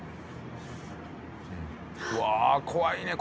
うわ怖いね